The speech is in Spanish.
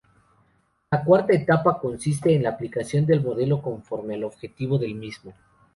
La cuarta etapa consiste en la aplicación del modelo conforme al objetivo del mismo.